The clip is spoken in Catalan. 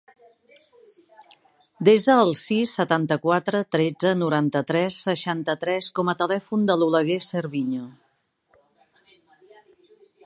Desa el sis, setanta-quatre, tretze, noranta-tres, seixanta-tres com a telèfon de l'Oleguer Cerviño.